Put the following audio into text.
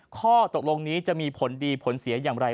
ข้อตกลงนี้จะมีผลดีผลเสียอย่างไร